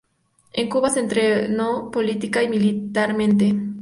En Cuba se entrenó política y militarmente.